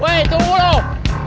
woi tunggu loh